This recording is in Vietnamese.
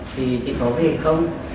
thì chị có về không